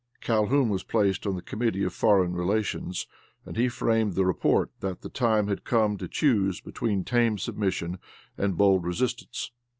Calhoun was placed on the Committee of Foreign Relations, and he framed the report that the time had come to choose between tame submission and bold resistance.